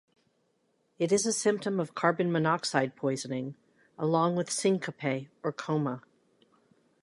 It is a symptom of carbon monoxide poisoning, along with syncope or coma.